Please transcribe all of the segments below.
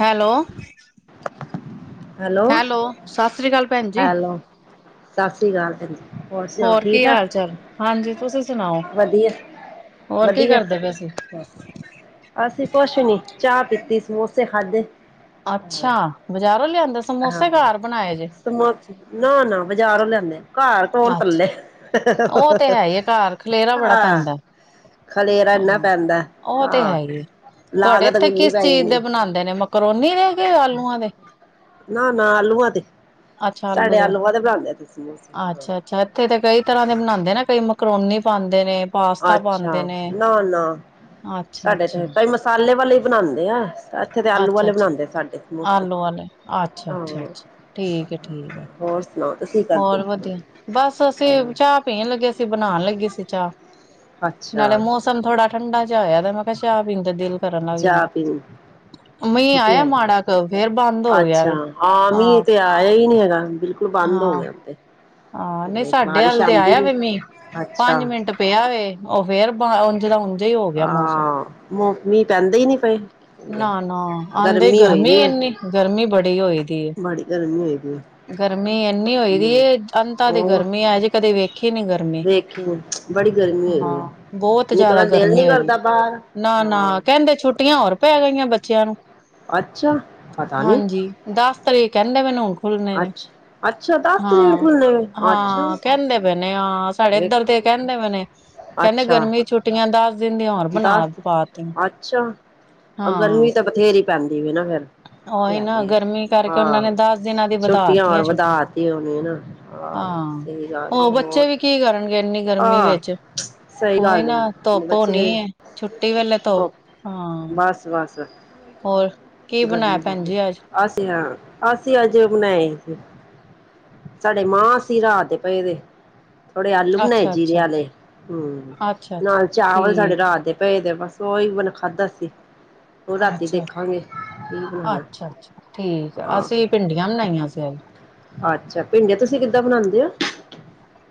Hello hello ਸਤਿ ਸ੍ਰੀ ਅਕਾਲ ਭੈਣ ਜੀ ਹੈਲੋ ਸਤਿ ਸ਼੍ਰੀ ਅਕਾਲ ਭੈ ਹੋਰ ਕੀ ਹਾਲ ਚਾਲ ਹਾਂਜੀ ਤੁਸੀਂ ਸੁਣਾਓ ਵਧੀਆ ਹੋਰ ਕੀ ਵਧੀਆ ਕਰਦੇ ਪਏ ਸੀ ਅਸੀਂ ਕੁੱਛ ਨੀ ਚਾਹ ਪੀਤੇ ਸਮੋਸੇ ਖਾਧੇ ਅੱਛਾ ਬਜ਼ਾਰੋਂ ਲਿਆਂਦਾ ਸੀ ਹਾਂ ਨਾ ਨਾ ਬਜ਼ਾਰੋਂ ਲਿਆਦੇ ਘਰ ਕੌਣ ਕੱਲੇ ਅੱਛਾ ਉਹ ਤੇ ਹੈ ਹੀ ਘਰ ਖਲੇਰਾ ਬੜਾ ਹਾਂ। ਪੈਂਦਾ ਖਲੇਰਾ ਇੰਨਾ ਹਾਂ ਪੈਂਦਾ ਹੈ। ਉਹ ਤੇ ਹੈ ਹੀ ਤੁਹਾਡੇ ਇੱਥੇ ਕਿਸ ਚੀਜ਼ ਦੇ ਬਣਾਉਂਦੇ ਨੇ ਮਕਰੋਨੀ ਦੇਗੇ ਆਲੂਆਂ ਦੇ? ਨਾ-ਨਾ ਆਲੂਆਂ ਤੇ ਅੱਛਾ ਆਲੂ ਸਾਡੇ ਦੇ ਆਲੂਆਂ ਤੇ ਬਲਾਉਦੇਸੀ ਅੱਛਾ ਅੱਛਾ ਇੱਥੇ ਤੇ ਕਈ ਤਰ੍ਹਾਂ ਦੇ ਬਨਾਉਂਦੇ ਨਾ ਕਈ ਮਕਰੋਨੀ ਪਾਉਂਦੇ ਨੇ ਪਾਸਤਾ ਅੱਛਾ ਪਾਉਂਦੇ ਨੇ ਨਾ-ਨਾ ਅੱਛਾ ਸਾਡੇ ਤੇ ਭਾਈ ਮਸਾਲੇ ਵਾਲੇ ਹੀ ਬਣਾਉਂਦੇ ਆ। ਇੱਥੇ ਤੇ ਆਲੂ ਵਾਲੇ ਅੱਛਾ-ਅੱਛਾ ਬਣਾਉਂਦੇ ਸਾਡੇ ਸਮੋਸੇ ਆਲੋ ਆਲੇ ਹਾਂ ਅੱਛਾ-ਅੱਛਾ ਠੀਕ ਹੈ ਠੀਕ। ਹੋਰ ਸੁਣਾਓ ਤੁਸੀਂ ਕਰਦੇ ਹੋਰ ਵਧੀਆ ਬਸ ਅਸੀਂ ਚਾਹ ਪੀਣ ਲੱਗੇ ਸੀ ਬਣਾਉਣ ਲੱਗੀ ਸੀ ਚਾਹ। ਨਾਲੇ ਅੱਛਾ ਮੌਸਮ ਥੋੜਾ ਠੰਡਾ ਚ ਆਇਆ ਤੇ ਮੈਂ ਕਿਹਾ ਚਾਹ ਪੀਂਦਾ ਦਿਲ ਕਰਨ ਲੱਗ ਚਾਹ ਜਾਂਦਾ ਪੀਣੀ ਉਹ ਮੀਂਹ ਤੇ ਆਇਆ ਹੈ ਮਾੜਾ ਕੁ ਫੇਰ ਬੰਦ ਹੋ ਗਿਆ ਅੱਛਾ ਵੇ ਹਾਂ ਮੀਂਹ ਇਹ ਤੇ ਆਇਆ ਹੀ ਨਹੀਂ ਹੈਗਾ। ਬਿਲਕੁਲ ਬੰਦ ਹੋ ਗਿਆ ਉੱਤੇ ਆਹ ਨਹੀਂ ਸਾਡੇ ਹੱਲ ਤੇ ਆਇਆ ਵੇ ਮ ਅੱਛਾ ਪੰਜ ਮਿੰਟ ਪਿਆ ਵੇ ਉਹ ਫਿਰ ਜਿਹੜਾ ਉਦਾ ਹੀ ਹੋ ਗਿਆ ਮੌਸਮ। ਹਾਂ ਮ ਮੀਂਹ ਪੈਂਦੇ ਹੀ ਨੀ ਪਏ ਨਾ-ਨਾ ਆਉਂਦੇ ਹੋਈ ਗਰਮੀ ਦੀ ਹੈ ਇਨੀ ਗਰਮੀ ਬੜੀ ਹੋ ਦੀ।। ਬੜੀ ਗਰਮੀ ਹੋਈ ਦੀ ਗਰਮੀ ਇੰਨੀ ਹੋਈ ਦੀ ਹੈ ਅੰਤਾ ਦੀ ਹੋਰ ਗਰਮੀ ਆਜ ਕਦੇ ਵੇਖੀ ਨੀ ਗਰਮੀ। ਵੇਖੀ ਬੜੀ ਗਰਮੀ ਹੋਈ ਹਾਂ ਦੀ ਹੈ ਬਹੁਤ ਜ਼ਿਆਦਾ ਨਿਕਲਣ ਦਿਲ ਗਰਮੀ ਨੀ ਹੋਈ ਕਰਦਾ ਬਾਹਰ ਨਾ-ਨਾ ਹਾਂ ਕਹਿੰਦੇ। ਛੁੱਟੀ ਛੁੱਟੀਆਂ ਹੋਰ ਪੈ ਗਈਆਂ ਬੱਚਿਆਂ ਨੂੰ। ਅੱਛਾ ਪਤਾ ਨੀ ਹਾਂਜੀ ਦੱਸ ਤਰੀਕ ਕਹਿੰਦੇ ਮੈਨੂੰ ਖੁੱਲਣੇ ਨੇ ਅੱਛਾ ਅੱਛਾ ਦਸ ਤਰੀਕ ਨੂੰ ਹਾਂ ਖੁੱਲਣੇ ਨੇ ਅੱਛਾ ਹਾਂ ਕਹਿੰਦੇ ਮੈਨੂੰ ਣੇ ਹਾਂ ਸਾਡੇ ਇੱਧਰ ਦੇ ਵੇਖੋ ਕਹਿੰਦੇ ਮ ਨੇ ਕਹਿੰਦੇ ਅੱਛਾ ਗਰਮੀ ਛੁੱਟੀਆਂ ਦਸ ਦਿਨ ਦੀ ਹੋਰ ਬਣਾ ਦਸ ਪਾ ਤ ਅੱਛਾ ਗਰਮੀ ਤਾਂ ਬਥੇਰੀ ਪੈਂਦੀ ਹੈ ਨਾ ਫਿਰ। ਤੇ ਉਹੀ ਆ ਨਾ ਗਰਮੀ ਕਰਕੇ ਉਹਨਾਂ ਨੇ ਆਹ ਦਸ ਦਿਨਾਂ ਦੀ ਛੁੱਟੀਆਂ ਹੋਰ ਵਧਾਤੀਆਂ ਵਧਾ ਛੁੱਟੀਆਂ ਤੇ ਉਹਨ ਨਾ। ਹਾਂ ਸੀ ਰਾਜ ਉਹ ਬੱਚੇ ਹੋਰ ਵੀ ਕੀ ਕਰਨਗੇ ਇੰਨੀ ਗਰਮੀ ਆਹ ਵਿੱਚ। ਸਹੀ ਉਹੀ ਗੱਲ ਨਾ ਏ ਧੁੱਪ ਹੋਣੀ ਬੱਚੇ ਹੈ ਛੁੱਟੀ ਵੇਲੇ ਧੁੱਪ ਹਾਂ। ਬਸ ਬਸ ਹੋਰ। ਕੀ ਬਣਾਇਆ ਗਰਮੀ ਭੈਣ ਬੜੀ ਜੀ ਅੱਜ ਅਸੀ ਹਾਂ। ਅਸੀਂ ਅੱਜ ਬਣਾਏ ਸੀ-ਸੀ ਸਾਡੇ ਮਾਂ ਅਸੀ ਰਾਤ ਦੇ ਪਏ ਦੇ ਥੋੜੇ ਆਲੂ ਬਣਾਏ ਜੀਰੇ ਅੱਛਾ-ਅੱਛਾ, ਵਾਲੇ ਹਮ ਅੱਛਾ-ਅੱਛਾ ਨਾਲ ਚਾਵਲ ਸਾਡੇ ਠੀਕ। ਰਾਤ ਦੇ ਪਏ ਦੇ ਸੋਈਵਨ ਖਾਧਾ ਸੀ ਉਹ ਰਾਤੀ ਦੇਖਾਂਗੇ। ਬਣਾਣਾ ਅੱਛਾ-ਅੱਛਾ ਠੀਕ ਆ ਅਸੀਂ ਆਹ ਭਿੰਡੀਆਂ ਬਣਾਈਆਂ ਸੀ। ਅੱਛਾ ਭਿੰਡੀਆਂ ਤੁਸੀਂ ਕਿੱਦਾਂ ਬਣਾਉਦੇ ਹੋ।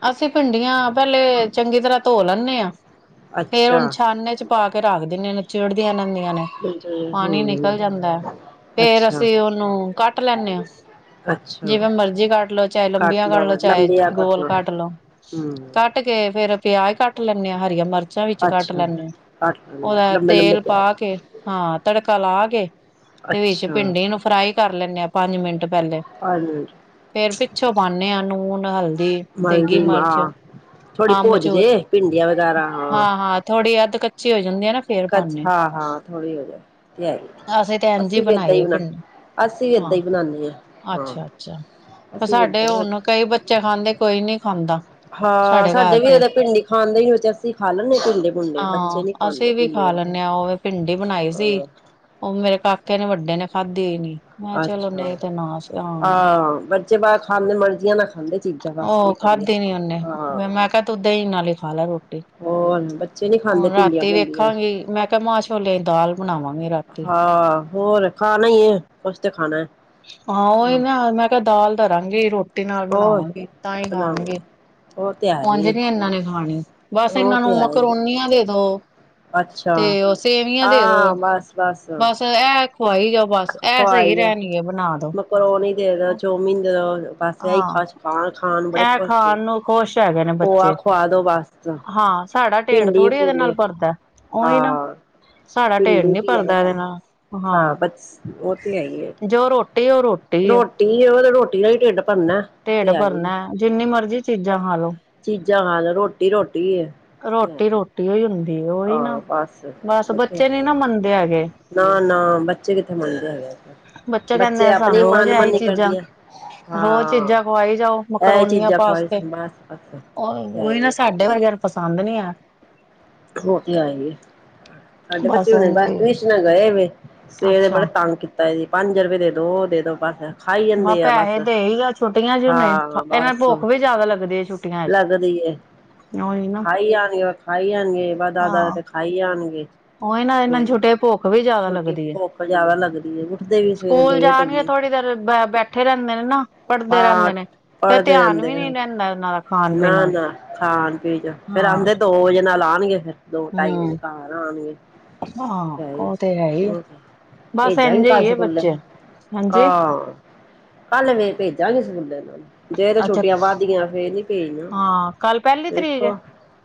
ਅਸੀਂ ਭਿੰਡੀਆਂ ਪਹਿਲੇ ਚੰਗੀ ਤਰ੍ਹਾਂ ਧੋ ਲੈਂਦੇ ਹਾਂ। ਫੇਰ ਅੱਛਾ ਹੁਣ ਛਾਨੇ ਚ ਪਾ ਕੇ ਰੱਖ ਦਿੰਨ [unintelligible] ਚਿੜਦੀ ਇਹਨਾਂ ਨ ਨੇ ਪਾਣੀ ਨਿਕਲ ਹੂੰ ਜਾਂਦਾ ਫੇਰ ਅੱਛਾ ਅਸੀਂ ਉਹਨੂੰ ਕੱਟ ਲੈਂਦੇ ਹਾਂ। ਅੱਛਾ ਜਿਵੇਂ ਮਰਜੀ ਕੱਟ ਲਓ ਚਾਹੇ ਕੱਟ ਲੰਬੀਆਂ ਕੱਢ ਲਾ ਲ ਲੋ ਚਾਹੇ ਲੰਬੀਆਂ ਗੋਲ। ਕੱਟਣਾ ਕੱਟ ਲਓ ਹੂੰ ਕੱਟ ਕੇ ਫੇਰ ਪਿਆਜ ਕੱਟ ਲੈਂਦੇ ਹਾਂ ਹਰੀਆਂ ਮਿਰਚਾਂ ਮਚਾਂ ਵਿੱਚ ਕੱਟ ਅੱਛਾ ਲੈਂਦੇ ਹ। ਕੱਟ ਲੈਣੀਆਂ ਉਹਦਾ ਲੰਬੇ ਲੰਬੇ ਤੇਲ ਪਾ ਪਿਆਜ ਕੇ ਹਾਂ ਤੜਕਾ ਲਾ ਕੇ ਤੇ ਵਿੱਚ ਅੱਛਾ ਭਿੰਡੀ ਨੂੰ ਫਰਾਈ ਕਰ ਲੈਂਨ ਆਾਂ ਪੰਜ ਮਿੰਟ ਪਹਿਲੇ ਪੰਜ ਮਿੰਟ ਫੇਰ ਪਿੱਛੋਂ ਪਾਉਦੇ ਹਾਂ ਨੂਨ ਹਲਦੀ। ਦੇਗੀ ਮਲਦੀ ਮਿਰਚ ਮਾਂ ਥੋੜੀ ਆਮ ਭੁੱਜ ਮਚੂਰ ਜੇ ਭਿੰਡੀਆਂ ਵਗੈਰਾ ਹਾਂ ਹਾਂ ਥੋੜ੍ਹੀ ਅਧ। ਕੱਚੇ ਹੋ ਜਾਂਦੇ ਹੈ ਨਾ। ਫੇਰ ਪਾਨੇ ਹਾਂ ਹਾਂ ਥੋੜੀ ਹੋ ਜਾ ਤੇ ਹੈ ਅਸੀਂ ਤੇ ਇੰਝ ਈ ਅੱਸੀ ਬਣਾਈ ਏਦਾਂ ਹੀ ਦੀ ਬਣਾ ਭਿੰਡੀ ਅਸੀਂ ਵੀ ਹਾਂ ਏਦਾਂ ਹੀ ਬਣਾਉਾਨਦੇ ਹਾਂ। ਅੱਛਾ-ਅੱਛਾ ਅਸੀਂ ਵੀ ਸਾਡੇ ਏਦਾਂ ਹੁਣ ਕਈ ਬੱਚੇ ਖਾਂਦੇ। ਕੋਈ ਨੀ ਖਾਂਦਾ। ਹਾਂ ਘਰ ਸਾਡੇ ਤੇ ਵੀ ਭਿੰਡੀ ਖਾਂਦੇ ਹੀ ਹੋ ਅਸੀਂ ਖਾ ਲੈਂਦੇ ਹ ਭਿੰਡੇ ਭੂੰਡੇ ਬੱਚੇ ਨੀ ਖਾਂਦੇ ਭਿੰਡੀਆਂ ਨੂੰ। ਉਹ ਭਿੰਡੀ ਬਣਾਈ ਸੀ ਉਹ ਮੇਰੇ ਕਾਕੇ ਨੇ ਵੱਡੇ ਨੇ ਖਾਧੀ ਨ। ਅੱਛਾ ਹਾਂ ਬੱਚੇ ਬਾਹਰ ਖਾਂਦੇ ਮਰਜ਼ੀਆਂ ਨਾ ਖਾਂਦੇ ਚੀਜ਼ਾਂ। ਬਸ ਕੀ ਉਹ ਕਰੀਏ ਖਾਧੀ ਨੀ ਉਹਨੇ ਹਾਂ ਮੈਂ ਕਿਹਾ ਤੂੰ ਦਹੀਂ ਨਾਲ ਹੀ ਖਾ ਲੈ ਰੋਟੀ। ਹੋਰ ਬੱਚੇ ਨੀ ਖਾਂਦੇ ਹੁਣ ਭਿੰਡੀਆਂ ਰਾਤੀ ਭੁੰਡੀਆਂ ਵੇਖਾਂਗੀ ਮੈਂ ਕਿਹਾ ਮਾਂ ਛੋਲਿਆਂ ਦੀ ਦਾਲ ਬਣਾਵਾਂਗੀ ਰਾਤੀ ਹਾਂ ਹੋਰ ਖਾਣਾ ਹੀ ਹੈ ਕੁਛ ਤੇ ਖਾਣਾ ਹੈ। ਉਹੀ ਹਾਂ ਨਾ ਮੈਂ ਕਿਹਾ ਦਾਲ ਤਰਾਂਗੀ ਰੋਟੀ। ਰੋਟੀ ਨਾਲ ਹੋਰ ਬਣਾਵਾਂਗੇ ਤਾਂ ਹੀ ਬਣਾਓ ਖਾਣਗੇ। ਉਹ ਤੇ ਹੈ ਉਂਝ ਹੀ ਨਹੀ ਇਹਨਾਂ ਨੇ ਖਾਣੀ ਬਸ ਉਹ ਇਹਨਾਂ ਨੂੰ ਤੇ ਹੈ ਹੀ ਮਕਰੋਨੀਆਂ ਦੇ ਦੋ ਅੱਛਾ ਤੇ ਉਹ ਸੇਵੀਆਂ ਦੇ ਦੋ ਹਾਂ ਬਸ ਬਸ ਇਹ ਖੁਵਾਈ ਜਾੳ ਬਸ ਇਹ ਸਹੀ ਖਵਾਈ ਰਹਿਣਗੇ ਬਣਾ ਦੋ ਮਕਰੋਨੀ ਦੇਦੋ ਚੋਵਮਿਨ ਦੇਦੋ। ਬਸ ਇਹੀ ਖਾਸ਼ ਹਾਂ ਖਣ ਖਣ ਬੜੇ ਇਹ ਖੁਸ਼ ਖਾਣ ਨੂੰ ਖੁਸ਼ ਹੈਗੇ ਨੇ ਖੋਆ ਬੱਚੇ ਖਵਾਦੋ ਬਸ। ਹਾਂ ਸਾਡਾ ਢੇਡ ਭਿੰਡੀ ਥੋੜ੍ਹੀ ਇਹਦੇ ਭੂਨ ਨਾਲ ਭਰਦਾ ਉਹੀ ਨਾ ਹਾਂ। ਸਾਡਾ ਢੇਡ ਪਿੰਡੀ ਨੀ ਭਰਦਾ ਇਹਦੇ ਨਾਲ ਕੀਆ ਹਾਂ ਬਸ ਉਹ ਤੇ ਹੈ ਹੀ ਆ। ਜੋ ਰੋਟੀ ਉਹ ਰੋਟੀ ਏ ਰੋਟੀ ਉਹ ਤੇ ਰੋਟੀ ਨਾਲ ਹੀ ਢਿੱਡ ਭਰਨਾ ਢੇਡ ਤੇ ਹੈ ਹੀ ਭਰਨਾ ਜਿੰਨੀ ਮਰਜ਼ੀ ਚੀਜ਼ਾਂ ਖਾਾਲੋ। ਚੀਜ਼ਾਂ ਖਾਲੋ ਰੋਟੀ ਰੋਟੀ ਹੀ ਹੈ। ਰੋਟੀ ਰੋਟੀ ਹੀ ਹੁੰਦੀ ਉਹੀ ਨਾ ਆਹੋ ਬਸ ਬਸ ਇ ਤਾਂ ਬੱਚੇ ਨੀ ਹੈ ਆ। ਨਾ ਮੰਨਦੇ ਹੈਗੇ ਨਾ ਨਾ ਬੱਚੇ ਕਿੱਥੇ ਮੰਨਦੇ ਹੈਗੇ। ਬੱਚੇ ਕਹਿੰਦੇ ਸਾਨੂੰ ਆਪਣੀ ਰੋਜ਼ ਇਹੀ ਮਾਨਮਨੀ ਚੀਜ਼ਾਂ ਕਰਦੇ ਆ ਰੋਜ਼ ਹਾਂ ਚੀਜ਼ਾਂ ਖਵਾਈ ਜਾਓ ਇਹ ਚੀ ਮਕਰੋਨੀਆਂ ਪੀਜ਼ਾ ਪਾਸਤੇ ਉਹੀ ਨਾ ਸਾਡੇ ਵਰਗੈ ਨੂੰ ਪਸੰਦ ਨਹੀਂ ਆ। ਹੋ ਤੇ ਆਏਂਗੇ। ਸਾਡੇ ਬੱਚੇ ਹੁਣੇ ਇੰਝ ਬਸ ਹੀ ਟਿਉਸ਼ਨ ਗਏ ਵੇ ਆ ਸਵੇਰ ਦਾ ਅੱਛਾ ਬੜਾ ਤੰਗ ਕੀਤਾ ਜੀ ਪੰਜ ਰੁਪਏ ਦੇ ਦੋ ਉਹ ਦੇ ਦੋ ਖਾਈ ਮੈਂ ਜਾਂਦੇ ਆ ਬਸ ਪੈਸੇ ਦੇ ਹੀ ਆ ਛੁੱਟੀਆਂ ਚ ਨੇ ਹਾਂ ਇਹਨਾਂ ਬਸ ਭੁੱਖ ਵੀ ਜਿਆਦਾ ਲੱਗਦੀ ਹੈ ਛੁੱਟੀਆਂ ਚ ਲੱਗਦੀ। ਉਹੀ ਨਾ ਖਾਈ ਜਾਂਣਗੇ ਖਾਈ ਜਾਂਣਗੇ ਬਸ ਦੱਸ ਦੱਸ ਹਾਂ ਰੁਪੲਏ ਖਾਈ ਜਾਂਣਗੇ। ਉਹੀ ਨਾ ਇਹਨਾਂ ਨੂੰ ਸਵੇਰੇ ਛੁੱਟੀਆਂ ਭੁੱਖ ਵੀ ਜਿਆਦਾ ਛੁੱਟੀ ਲੱਗਦੀ ਹੈ ਭੁੱਖ ਜਿਆਦਾ ਲੱਗਦੀ ਹੈ ਉੱਠਦੇ ਵੀ ਸਵੇਰੇ ਸਕੂਲ ਲੇਟ ਜਾਣਗੇ ਇੰਨੀ ਥੋੜ੍ਹੀ ਦੇਰ ਬੈਠੇ ਰਹਿੰਦੇ ਨੇ ਨਾ ਪੜ੍ਹਦੇ ਹਾਂ ਰਹਿੰਦੇ ਨੇ। ਫਿਰ ਪੜ੍ਹਦੇ ਧਿਆਨ ਰਹਿੰਦੇ ਵੀ ਨੀ ਆ ਰਹਿੰਦਾ ਇਹਨਾਂ ਦਾ ਖਾਣ ਪੀਣ ਨਾ ਨਾਲ ਨਾ ਖਾਣ ਫੇਰ ਹਾਂ ਆਂਦੇ ਦੋ ਵਜੇ ਨਾਲ ਆਣਗੇ ਫਿਰ। ਦੋ ਢਾਈ ਵਜੇ ਹਮ ਘਰ ਆਉਣਗੇ। ਆਹ ਉਹ ਤੇ ਹੈ ਹੀ ਬਸ ਭੇਜਾਂ ਹੀ ਇੰਝ ਕੱਲ ਹੈ ਸਕੂਲੇ ਬੱਚੇ ਹਾਂਜੀ ਹਾਂ। ਕੱਲ ਫੇਰ, ਭੇਜਾਂਗੇ ਸਕੂਲੇ, ਇਹਨਾ ਨੂੰ। ਜੇ ਤਾਂ ਅੱਛਾ ਛੁੱਟੀਆਂ ਵੱਧਗੀਆਂ ਫੇਰ ਨਹੀ। ਹਾਂ ਕੱਲ ਪਹਿਲੀ ਤਰੀਕ ਹੈ ਵੇਖੋ,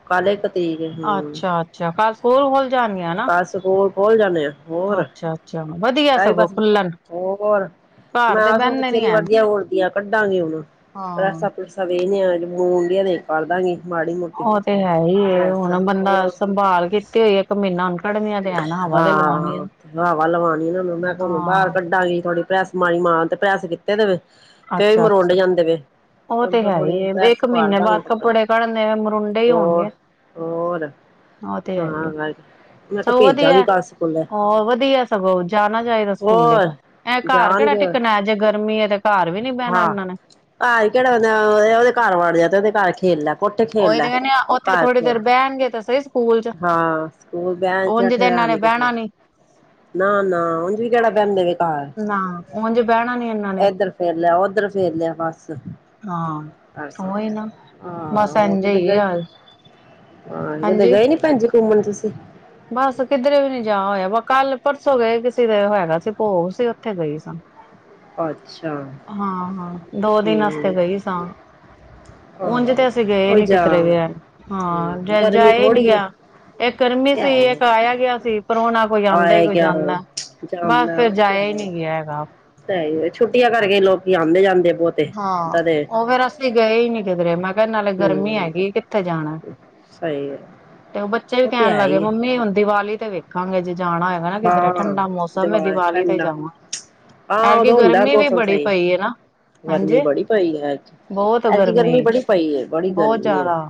ਕਾਲੇ ਕਤੀ। ਹੂੰ। ਅੱਛਾ ਅੱਛਾ ਕੱਲ ਸਕੂਲ ਖੁੱਲ ਜਾਣਗੀਆਂ ਨਾ ਕਰ ਸਕੂਲ ਖੋਲ ਜਾਂਨੇ ਆ। ਹੋਰ। ਅੱਛਾ ਅੱਛਾ ਵਧੀਆ ਬਾਈ ਸਗੋਂ ਬਸ। ਖੁੱਲਣ ਹੋਰ। ਘਰ ਮੈਂ, ਤੇ ਆਪ ਬਹਿੰਦੇ ਬੱਚਿਆਂ ਨੀ ਦੀਆਂ ਹੈ ਵਰਦੀਆਂ- ਵੁਰਦੀਆਂ ਕੱਢਾਂਗੇ ਹੁਣ। ਹਾਂ ਪ੍ਰੈਸਾਂ- ਪ੍ਰੂਸਾਂ ਵੀ। [unintelligible] ਉਹ ਤੇ, ਹੈ, ਹੀ, ਹੈ। ਹੁਣ ਬੰਦਾ ਸੰਭਾਲ ਕੇ ਕਿੱਥੇ ਇੱਕ ਮਹੀਨਾ। ਕੱਢਣੀਆਂ ਤੇ ਹੈ ਨਾ ਹਵਾ ਹਾ। ਤੇ ਲਵਾਉਣੀ ਆ। ਹਵਾ ਲਵਾਣੀ ਨਾ। ਮੈਂ ਤਾਂ, ਹੂੰਨ ਬਾਹਰ ਹਾਂ ਕੱਢਾਂਗੀ। ਪ੍ਰੈਸ ਮਾਣੀ ਮਾਰ, ਤੇ ਪ੍ਰੈਸ ਕੀਤੇ ਵੇ ਤੇ ਫੇਰ, ਅੱਛਾ ਮਰੋਡ ਅੱਛਾ ਜਾਂਦੇ ਵੇ। ਉਹ ਕਲ ਤੇ ਫੇਰ, ਹੈ ਥੋੜੀ ਹੀ ਜੀ ਏ, ਪ੍ਰੈੱਸ ਇੱਕ ਮਹੀਨੇ ਕਰਦਾਗੇ ਬਾਅਦ ਕੱਪੜੇ। ਕੱਢਣ ਦੇ ਮਰੁੰਡੇ ਹੀ ਹੋਣਗੇ ਹੋਰ? ਹੋਰ ਉਹ ਤੇ ਹੈ ਹੀ ਮੈਂ ਕਿਹਾ ਸਗੋਂ ਵਧੀਆ ਭੇਜਾਂਗੀ ਹੈ। ਕੱਲ ਸਕੂਲੇ ਵਧੀਆ ਸਗੋਂ, ਜਾਣਾ ਚਾਹੀਦਾ ਸਕੂਲੇ। ਹੋਰ ਐਂ, ਘਰ ਕਿਹੜਾ, ਜਾਣਗੇ ਟਿੱਕਣਾ ਜੇ, ਗਰਮੀ ਹੈ। ਤੇ ਘਰ ਵੀ, ਨੀ ਬਹਿਣਾ ਹਾਂ ਇਹਨਾਂ ਨੇ। ਘਰ ਕਿਹੜਾ, ਉਹਦੇ ਘਰ ਵੜ ਜਾ, ਤੇ ਉਹਦੇ ਘਰ ਖੇਲ ਲਾ। ਕੋਠੇ ਖੇਲ ਉਹੀ ਲੈ, ਤੇ ਕਹਿੰਦੇ ਆ ਉੱਥੇ ਘਰ ਥੋੜੀ ਖੇਲ। ਦੇਰ ਬਹਿਣਗੇ ਤਾਂ ਸਹੀ ਸਕੂਲ ਚ ਹਾਂ, ਸਕੂਲ। ਵਿਆਹ, ਉਝ ਚੱਠ ਤੇ ਹਾਰ ਆ ਇਹਨਾਂ ਨੇ ਨੀ ਕਿਸੇ ਨੂੰ। ਬਹਿਣਾ ਨਾ- ਨਾ, ਉਝ ਵੀ ਕਿਹੜਾ, ਬੈਂਦੇ ਨੇ ਘਰ, ਨਾ ਉਝ ਬਹਿਣਾ ਨੀ ਇਹਨਾਂ ਨੇ ਇਧਰ ਫਿਰ ਲਿਆ। ਇੱਧਰ, ਫੇਰ ਲਿਆ ਬਸ। ਹਾਂ। ਅਸ, ਉਹੀ ਨਾ ਹਾਂ। ਬਸ ਔ ਇੰਝ ਕਿਤੇ ਹੀ ਗਏ। ਆ ਹੋਰ, ਕਿਤੇ ਹਾਂਜੀ ਗਏ ਨੀ, ਭੈਣ ਜੀ ਘੁੰਮਣ ਤੁਸੀਂ। ਬਸ, ਕਿੱਧਰੇ ਵੀ, ਨੀ ਜਾ ਹੋਇਆ। ਵਾ ਕੱਲ। ਪਰਸੋਂ ਗਏ ਕਿਸੇ ਦੇ, ਹੈਗਾ ਸੀ। ਭੋਗ ਸੀ। ਉੱਥੇ ਗਈ ਸਾ। ਅੱਛਾ ਹਾਂ, ਹਾਂ। ਦੋ ਦਿਨ ਵਾਸਤੇ ਗਈ ਠੀਕ ਸਾਂ। ਉਝ ਹਾਂ ਤੇ ਅਸੀਂ ਗਏ ਉਹ ਨੀ ਜਾ ਕਿਤਰੇ ਵੀ। ਹਾਂ, ਹਮ ਗਰਮੀ ਜਾਏ ਹੀ ਨਹੀਂ ਥੋੜ੍ਹੀ ਹੈ ਗਿਆ। ਇਕ ਗਰਮੀ ਤੇ ਸੀ। ਆਏ ਇੱਕ ਆਇਆ ਗਿਆ ਸੀ। ਪਰੁਣਾ ਕੋਈ ਆਉਂਦਾ ਹੈ। ਆਇਆ ਕੋਈ ਗਿਆ ਜਾਂਦਾ ਹੈ। ਬਸ ਫੇਰ, ਜਾਇਆ ਹੀ, ਨਹੀਂ ਗਿਆ ਹੈਗਾ। ਉ ਤੇ, ਹੈ, ਹੀ, ਹੈ। ਛੁੱਟੀਆਂ ਕਰਕੇ ਲੋਕੀ ਆਉਂਦੇ ਜਾਂਦੇ। ਬਹੁਤੇ ਹਾਂ। ਏਦਾਂ ਦੇ ਉਹ ਫੇਰ, ਅਸੀਂ ਗਏ ਹੀ ਨੀ, ਕਿਧਰੇ। ਮੈਂ। ਫੇਰ ਨਾਲੇ, ਗਰਮੀ ਹਮ ਹੈਗੀ, ਕਿੱਥੇ ਜਾਣਾ ਏ। ਸਹੀ ਹੈ ਤੇ, ਉਹ ਬੱਚੇ ਵੀ ਤੇ ਕਹਿਣ ਹੈ ਲੱਗੇ। ਹੀ ਹੈ ਮੰਮੀ ਹੁਣ ਦੀਵਾਲੀ ਦੇ, ਵਿ- ਜਾਣਾ, ਹੈਗਾ ਨਾ ਕਿੱਧਰੇ। ਹਾਂ ਠੰਡਾ ਮੌਸਮ ਹੈ। ਦੀਵਾਰ ਦੀਵਾਲੀ ਤੇ ਠੰਡਾ ਜਾਵਾਂਗੇ। ਹਾਂ ਐਰ ਕਿ, ਉਦੋਂ ਹੁੰਦਾ ਗਰਮੀ ਵੀ, ਮੌਸਮ ਬੜੀ ਸਹੀ ਪਈ ਹੈ, ਨਾ। ਗਰਮੀ ਹਾਂਜੀ। ਬੜੀ ਪਈ ਹੈ ਐਤਕੀ ਬਹੁਤ ਐਤਕੀ ਗਰਮੀ, ਬੜੀ ਪਈ ਹੈ ਬੜੀ ਬਹੁਤ ਗਰਮੀ ਹੈ ਜ਼ਿਆਦਾ।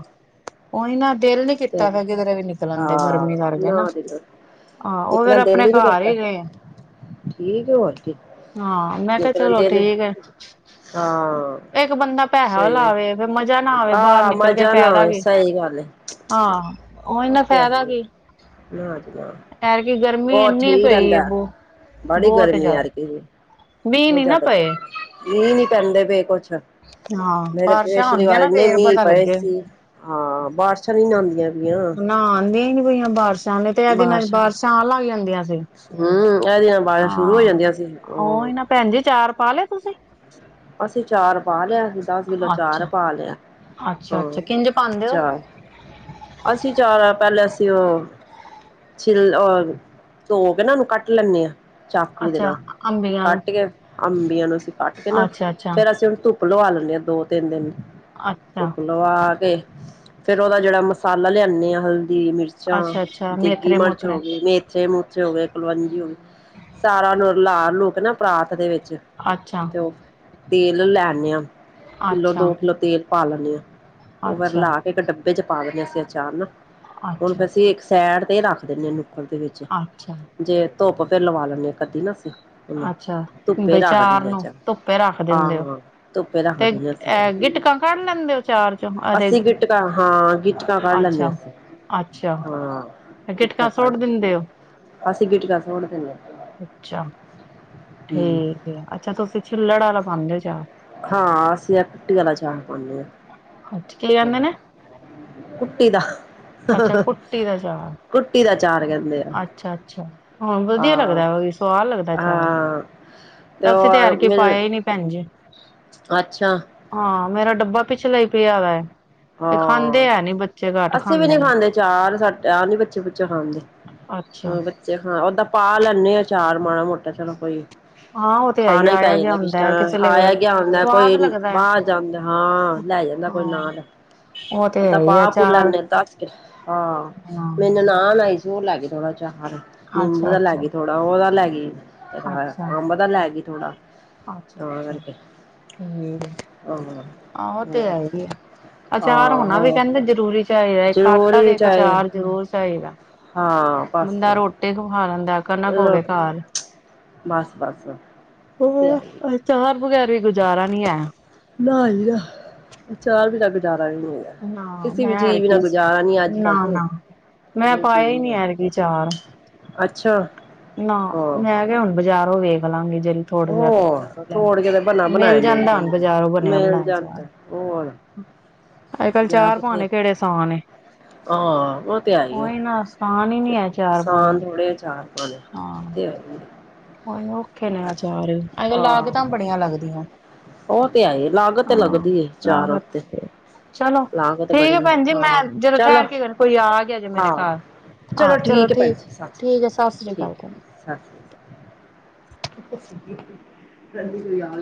ਉਹੀ ਨਾ, ਦਿਲ ਨੀ ਤੇ ਕੀਤਾ। ਫੇਰ, ਕਿਧਰੇ ਵੀ ਨਿਕਲਣ ਦੇ, ਹਾਂ ਗਰਮੀ ਕਰ ਕੇ, ਨਾ। ਤੇ ਉਹ, ਫੇਰ, ਨਿਕਲਣ ਆਪਣੇ ਦਿਲ ਨੀ ਘਰ ਕਰਦਾ ਹੀ ਰਏ। ਠੀਕ ਹੈ ਹੋਰ ਕੀ ਹਾਂ। ਮੈਂ, ਕਿਹਾ ਨਿਕਲਣ ਚਲੋ, ਦਿਲ ਠੀਕ ਏ। ਹਾਂ ਇੱਕ ਬੰਦਾ ਪੈਸਾ ਸਹੀ ਹੈ ਲਾਵੇ, ਫੇਰ ਮਜ਼ਾ ਨਾ ਆਵੇ, ਬਾਹਰ ਨਿਕਲ ਕੇ, ਫੈਦਾ ਕੀ। ਹੱਲੇ। ਹਾਂ, ਉਹ ਇਨਾ ਫਾਇਦਾ ਕੀ। ਨਾ ਜੀ ਨਾ ਦੁਪਹਿਰ ਦੀ, ਗਰਮੀ ਉਹ ਇੰਨੀ ਠੀਕ ਪਈ ਹੈ। ਰਹਿੰਦਾ ਬੋ- ਬੜੀ ਗਰਮੀ ਹੈ। ਐਤ ਕਿ ਵੀ, ਮੀਂਹ ਬਹੁਤ ਨੀ ਨਾ ਜਿਆਦਾ ਪਏ ਗਰਮੀ, ਮੀਂਹ ਨੀ ਪੈਂਦੇ ਪਏ। ਕੁਛ। ਹਾਂ ਮੇਰੇ, ਬਾਰਿਸ਼ਾਂ ਪਿਛਲੀ ਆਉਣਗੀਆਂ ਵਾਰ ਨਾ ਇੰਨੇ ਫੇਰ ਮੀਂਹ, ਪਤਾ ਪਏ ਲੱਗੇ ਸੀ। ਹਾਂ, ਬਾਰਿਸ਼ਾਂ ਨੀ, ਨਾ ਉਂਦੀਆਂ ਪਈਆਂ। ਨਾ, ਆਂਦੀਆਂੀ ਹੀ, ਨੀ ਪਈਆਂ ਬਰਸ਼। ਤੇ ਇਹ ਦਿਨਾ ਤੋ, ਬਾਰਿਸ਼ਾਂ ਆਨ ਲੱਗ ਜਾਂਦੀਆਂ ਜੇ। ਹਮ ਇਹਦੇ ਨਾਲ ਬਾਰਿਸ਼ਾਂ ਸ਼ੁਰੂ ਹੋ ਹਾਂ, ਜਾਂਦੀਆਂ ਸੀ ਉਹ। ਭੈਣ ਜੀ, ਚਾਰ ਪਾ, ਲਿਆ ਤੁਸੀਂ? ਅਸੀਂ, ਚਾਰ। ਪਾ ਲਿਆ ਸੀ। ਦਸ ਕਿੱਲੋ, ਅੱਛਾ ਚਾਰ ਪਾ ਲਿਆ। ਅੱਛਾ ਅੱਛਾ ਹੂੰ, ਕਿੰਝ ਪਾਉਂਦੇ ਹੋ ਚਾਰ। ਅਸੀਂ ਚਾਰ, ਪਹਿਲੇ ਅਸੀਂ ਉਹ। ਛਿੱਿਲ ਅਹ ਧੋ ਕੇ ਨਾ, ਉਹਨੂੰ ਕੱਟ ਲੈਂਦੇ ਹਾਂ। ਚਾਕੂ ਦੇ ਅੱਛਾ ਨਾਲ ਅੰਬੀਆਂ ਨੂੰ ਕੱਟ ਕੇ ਅੰਬੀਆਂ ਨੂੰ ਅਸੀਂ ਕੱਟ ਕੇ ਨਾ ਅੱਛਾ ਅੱਛਾ ਫੇਰ ਅਸੀਂ ਹੁਣ ਧੁੱਪ ਲਵਾ ਲੈਣੇ ਆਾਂ ਦੋ ਤਿੰਨ ਦਿਨ ਅੱਛਾ, ਧੁੱਪ ਲਵਾ ਕੇ ਫੇਰ ਉਹਦਾ ਜਿਹੜਾ ਮਸਾਲਾ ਲਿਆਨਦੇ ਹ ਹ ਦੀ ਮਿਰਚਾਂ ਅੱਛਾ, ਅੱਛਾ ਡਿੱਗੀ ਮੇਥਰੇ ਮਿਰਚ ਮੁਥਰੇ ਹੋ ਗਈ ਮੇਥੇ ਮੂਥੇ ਹੋ ਗਏ ਕੁਲਵੰਜੀ ਹੋ ਗਈ ਸਾਰਾ ਨੂੰ ਲ ਲੋਕ ਨਾ ਪਰਾਤ ਦੇ ਵਿੱਚ ਅੱਛਾ, ਤੇ ਉਹ ਤੇਲ ਲੈਨ ਆ ਕਿੱਲੋ ਅੱਛਾ, ਦੋ ਕਿੱਲੋ ਤੇਲ ਪਾ ਲੈਦੇ ਆਾਂ ਉਹ ਫਿਰ ਅੱਛਾ, ਲਾ ਕੇ ਡੱਬ ਚ ਪਾ ਦਨਦੇ ਹ ਅਸੀਂ ਅਚਾਰ ਨਾ ਹੁਣ ਫਿਰ ਅੱਛਾ, ਅਸੀਂ ਸੈਡ ਤੇ ਰੱਖ ਦਿੰਦੇ ਹਾਂਨੂੰ ਦੇ ਵਿੱਚ ਅੱਛਾ, ਜੇ ਧੁੱਪ ਫੇਰ ਲਵਾ ਲੈਂਣੇ ਆ ਕਦੀ ਨਾ ਅਸੀਂ ਅੱਛਾ ਧੁੱਪੇ ਬਈ ਰਗ ਚਾਰ ਦਦੇ ਨੂੰ ਚੱਲ ਧੁੱਪੇ ਰੱਖ ਦਿੰਦੇ ਹੋ ਹਾਂ ਧੁੱਪੇ ਤੇ ਰੱਖਦੇ ਅੱ ਅ ਗਿਟਕਾਂ ਕੱਢ ਲੈਂਦੇ ਹੋ ਚਾਰ ਚੋਂ ਅਤੇ ਅੱਸੀ ਕਿਟਕਾ ਹਾਂ ਹਾਂ ਗੀਤਕਾਂ ਕੱਢ ਅੱਛਾ ਲੈਂਦੇੇਸੀਂ ਅੱਛਾ ਤੇ ਗਿਟਕਾਂ ਸੋੜ ਕੱਢ ਦਿੰਦੇ ਹੋ ਅਸੀਂ ਗੀਟ ਕਸੋੜਦੇ ਨੇ ਅੱਛਾ ਠੀਕ ਆ ਅੱਛਾ ਤੁਸੀਂ ਛਿੱਲੜਾ ਲਗਾਉਂਦੇ ਹੋ ਯਾਰ ਹਾਂ ਅਸੀਂ ਇਹ ਕੁਟੀ ਵਾਲਾ ਚਾਹ ਪਾਉਦੇ ਹ ਅੱਛਾ ਕੀ ਕਹਿੰਦੇ ਨੇ ਕੁੱਟੀ ਦਾ ਅੱਛਾ ਕੁੱਟੀ ਦਾ ਚਾਾਲ ਕੁੱਟੀ ਦਾ ਚਾਰ ਕਹਿੰਦੇ ਆ ਅੱਛਾ ਅੱਛਾ ਹੁਣ ਵਧੀਆ ਹਾਂ ਲੱਗਦਾ ਵਾ ਵੀ ਸਵਾਦ ਲੱਗਦਾ ਚਾਰ ਅ। ਹਾਂ ਤੇ ਉਹ ਮੇਰੇ ਅੱਛਾ। ਮੇਰਾ ਟੱਬਰ ਪਿਛਲੇ ਈ ਪਿਆ ਵੈ। ਹਾਂ। ਅਸੀਂ ਵੀ ਨੀ ਖਾਂਦੇ ਚਾਰ ਸੱਟ ਆਪ ਨੀ ਬੱਚੇ ਬੁੱਚੇ ਖਾਂਦੇ। ਅੱਛਾ ਹ ਬੱਚੇ ਖਾ ਓਦਾਂ ਪਾ ਲੈਂਣੀ ਆ ਚਾਰ ਮਾੜਾ ਮੋਟਾ ਚਲੋ ਕੋਈ। ਹਾਂ ਉਹ ਤੇ ਹੈ ਹੀ ਖਾਣਾ ਈ ਪੈ ਆਇਆ ਗਿਆ ਯੰਦਾ ਕਿਸ ਹੁੰਦਾ ਹੈ ਟੇਮ ਕਿਸੇ ਵੇਲੇ ਆਇਆ ਗਿਆ ਹੁੰਦਾ ਸਵਾਦ ਕੋਈ ਲੱਗਦਾ ਹੈ ਬਾਹਰ ਜਾਂਦਾ ਹਾਂ। ਲੈ ਯੰਦਾ ਕੋਈ ਹਾਂ ਨਾਲ। ਉਹ ਤੇ ਓ ਤਾਂ ਹੈ ਪਾ ਹੀ ਪੂ ਅਚਾਰ ਲੈਂਦੇ ਦੱਸ ਕੇ ਹਾਂ। ਹਾਂ ਮੇਈ ਨਨਾਣ ਆਈ ਸੀ ਉਹ ਲੇਗੀ ਥੋੜਾ ਜਾ। ਚਾਰ ਨਿੰਬੂ ਅੱਛਾ ਦਾ ਲੈ ਅੱਛਾ ਗੀ ਥੋੜਾ ਉਹਦਾ ਲੈ ਗੀ ਓਦਾ ਅੰਬਰ ਦਾ ਲੇਗੀ ਥੋੜਾ। ਆਛਾ - ਤਾਂ ਅੱਛਾ ਕਰਕੇ ਠੀਕ ਏ। ਹਾਂ, ਆ ਉ ਤੈ ਹੈ ਹੋਰ ਈ ਏ। ਅਚਾਰ ਹੋਣਾ ਵੀ ਆਹੋ ਕਹਿੰਦੇ ਜ਼ਰੂਰੀ ਚਾਹੀਦਾ। ਇੱਕ ਆਟਾ ਜ਼ਰੂਰੀ ਤੇ ਇੱਕ ਚਾਹੇ ਅਚਾਰ ਜ਼ਰੂਰ ਚਾਹੀਦਾ। ਹਾਂ ਬਸ ਬੰਦਾ ਰੋਟੀ ਖ ਖਾ ਲੈਂਦਾ ਕਨਕ ਹੋਵੇ ਘਰ। ਬਸ-ਬਸ। ਉਹ ਅਚਾਰ ਬਗੈਰ ਵੀ ਗੁਜ਼ਾਰਾ ਨੀ ਹੈ। ਨਾਈ ਆ ਅਚਾਰ ਬਿਨਾਂ ਗੁਜ਼ਾਰ ਵੀ ਨੀ ਹੈਗਾ। ਨਾ ਕਿਸੀ ਵੀ ਮੈਂ ਚੀਜ਼ ਵੀਨਾ ਐਰਕੀ ਗੁਜ਼ਾਰਾ ਨੀ ਅੱਜ ਕੱਲ ਤੇ। ਨਾ-ਨਾ ਮੈਂ ਹਾਂਜੀ ਪਾਇਆ ਇਹ ਈ ਵੀ ਨੀ ਆ। ਐਰਕੀ ਅਚਾਰ। ਅੱਛਾ। ਨਾ ਹਾਂ ਮੈਂ ਕਿਆ ਹੁਣ ਬਾਜ਼ਾਰੋ ਵੇਖ ਲਾਂਗੇ। ਥੋੜਾ ਜਿਆ ਤੇ ਉਹ ਲੈਣ। ਤੋੜ ਕੇ ਤੇ ਬਣਾ ਬਣਾਇਆ ਮੇਲ ਮਿਲ ਜਾਂਦਾ ਹੁਣ ਬਜ਼ਾਰੋਂ ਬਣਿਆ ਮਿਲ ਬਣਾਏ ਚਾਰ। ਜਾਂਦਾ ਹੋਰ ਅੱਜ ਕੱਲ ਚਾਰ ਪਾਣੇ ਕੇੜੇ ਸਾਨ ਏ। ਆ। ਓ ਤੇ ਹੈ ਈ ਏ ਉਹੀ ਨਾ ਆਸਾਨ ਈ ਨੀ ਐ ਅਚਾਰ ਪਾਣੇ ਸਾਨ ਥੋੜ੍ਹੇ ਅਚਾਰ। ਤੇ ਹੈ ਈ ਏ। ਓਇ ਔਖੇ ਨੇ ਆਚਾਰ ਅਜ ਕੱਲ ਆਹ ਲਾਗਤਾਂ ਬੜੀਆਂ ਲੱਗਦੀਆਂ। ਉਹ ਤੇ ਹੈ ਈ ਏ ਲਾਗਤ ਤੇ ਹਾਂ ਲੱਗਦੀ ਏ ਚਾਰ ਉਤੇ। ਲਾਗਤ ਚਲੋ ਲਾਗਤ ਠੀਕ ਬੜੀ ਐ ਏ। ਭੈਣ ਜੀ ਮੈਂ ਜਦੋਂ ਚਲੋ ਠਹਿਰ ਕੇ ਕੋਈ ਆ ਗਿਆ ਜੇ ਮੇਰੇ ਹਾਂ। ਘਰ ਚਲੋ ਹਾਂ ਠੀਕ ਹੈ ਭੈਣ ਜੀ ਸਸ ਠੀਕ ਐ ਸਤਿ ਸ੍ਰੀ ਠੀਕ ਅਕਾਲ ਭੈਣ ਏ ਸਸ ਸ਼੍ਰੀ ਕਾ। ਕਹਿੰਦੀ ਕੋਈ ਯਾਦ